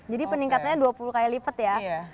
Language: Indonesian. jadi peningkatannya dua puluh kali lipat ya